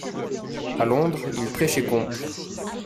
À Londres, ils prêchaient contre.